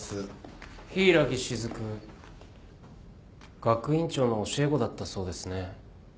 柊木雫学院長の教え子だったそうですね。